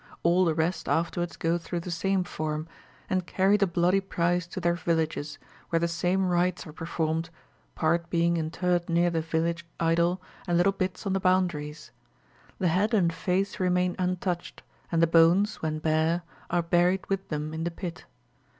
All the rest afterwards go through the same form, and carry the bloody prize to their villages, where the same rites are performed, part being interred near the village idol, and little bits on the boundaries. The head and face remain untouched, and the bones, when bare, are buried with them in the pit.